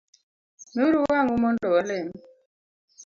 Miuru wang’ u mondo walem